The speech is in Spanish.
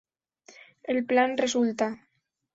El plan resulta.